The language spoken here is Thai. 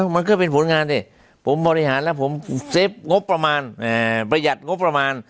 มันก็เป็นผลงานสิผมบริหารแล้วผมเซฟงบประมาณประหยัดงบประมาณ